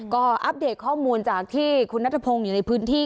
ก็อัปเดตข้อมูลจากที่คุณนัทพงศ์อยู่ในพื้นที่